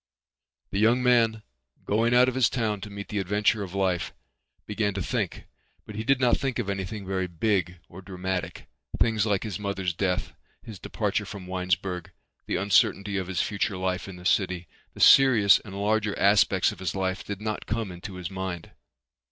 The young man, going out of his town to meet the adventure of life, began to think but he did not think of anything very big or dramatic. Things like his mother's death, his departure from Winesburg, the uncertainty of his future life in the city, the serious and larger aspects of his life did not come into his mind.